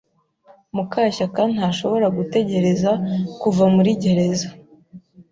Mukashyaka ntashobora gutegereza kuva muri gereza.